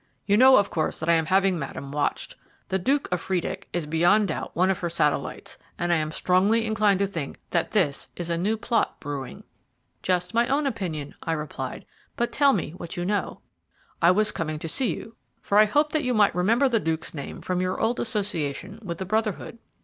You know, of course, that I am having Madame watched. The Duke of Friedeck is beyond doubt one of her satellites, and I am strongly inclined to think that this is a new plot brewing." "Just my own opinion," I replied; "but tell me what you know." "I was coming to see you, for I hoped that you might remember the Duke's name from your old association with the Brotherhood."